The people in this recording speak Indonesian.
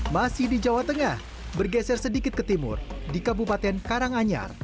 masih di jawa tengah bergeser sedikit ke timur di kabupaten karanganyar